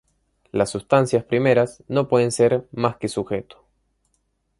Las sustancias primeras no pueden ser más que sujeto.